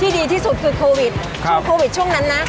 ดีที่สุดคือโควิดช่วงโควิดช่วงนั้นนะ